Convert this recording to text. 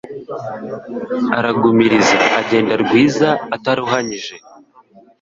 Aragumiriza agenda rwiza, ataruhanyije